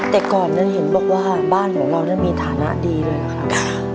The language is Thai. แต่ก่อนนั้นเห็นบอกว่าบ้านของเรามีฐานะดีด้วยนะครับ